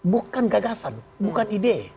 bukan gagasan bukan ide